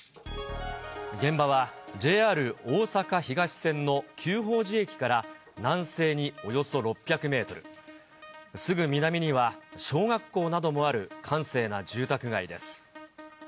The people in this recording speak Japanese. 現場は、ＪＲおおさか東線の久宝寺駅から南西におよそ６００メートル、すぐ南には、小学校などもある閑静な住宅街です。